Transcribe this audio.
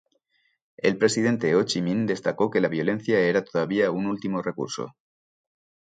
El presidente Hồ Chí Minh destacó que la violencia era todavía un último recurso.